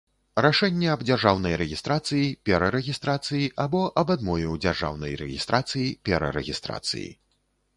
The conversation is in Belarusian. Рашэнне аб дзяржаўнай рэгiстрацыi, перарэгiстрацыi або аб адмове ў дзяржаўнай рэгiстрацыi, перарэгiстрацыi.